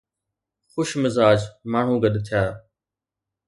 خوش مزاج ماڻهو گڏ ٿيا.